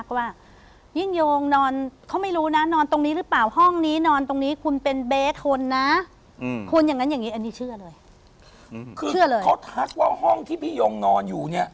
คือเค้าทักว่าห้องที่พี่หย่องนอนอยู่เนี่ย